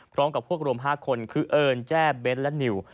พร้อมกับพวกรวม๕คนคือเอิญแจ้เบ้นท์และนิว